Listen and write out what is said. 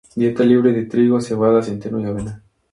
Dieta libre de trigo, cebada, centeno y avena.